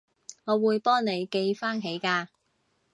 我會幫你記返起㗎